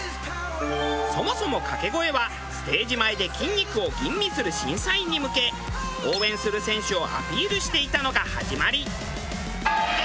そもそもかけ声はステージ前で筋肉を吟味する審査員に向け応援する選手をアピールしていたのが始まり。